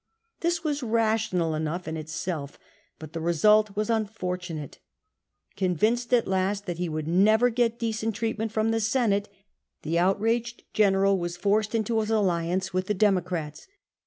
This was rational enough in itself, but the result was unfortu nate. Convinced at last that he would never get decent treatment from the Senate, the outraged general was CATO AND THE TAX FAEMEES 215 forced into his aliiaiice with the Democrats.